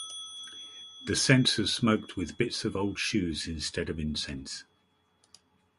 The censers smoked with bits of old shoes instead of incense.